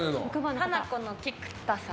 ハナコの菊田さん。